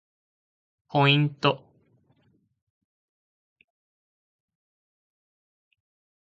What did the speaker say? ポイント